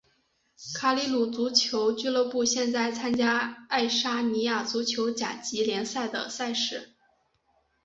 卡里鲁足球俱乐部现在参加爱沙尼亚足球甲级联赛的赛事。